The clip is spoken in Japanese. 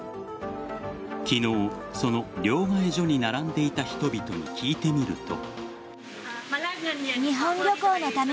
昨日、その両替所に並んでいた人々に聞いてみると。